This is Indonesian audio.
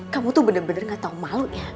kamu tuh bener bener gak tau malu ya